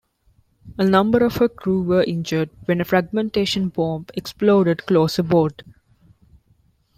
A number of her crew were injured when a fragmentation bomb exploded close aboard.